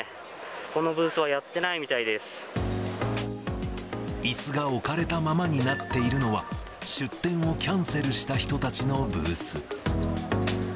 このブースはやってないみたいでいすが置かれたままになっているのは、出展をキャンセルした人たちのブース。